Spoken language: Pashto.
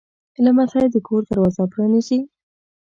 لمسی د کور دروازه پرانیزي.